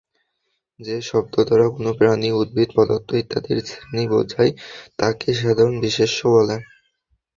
যে শব্দ দ্বারা কোন প্রাণী, উদ্ভিদ, পদার্থ ইত্যাদির শ্রেণী বোঝায় তাকে সাধারণ বিশেষ্য বলে।